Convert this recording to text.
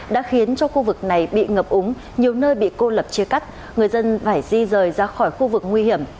đã khiến cho khu vực này bị ngập úng nhiều nơi bị cô lập chia cắt người dân phải di rời ra khỏi khu vực nguy hiểm